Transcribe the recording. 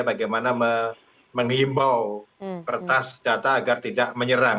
bagaimana menghimbau kertas data agar tidak menyerang